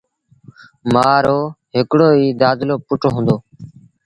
مآ رو هڪڙو ئيٚ دآدلو پُٽ هُݩدو